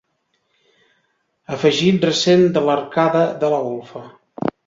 Afegit recent de l'arcada de la golfa.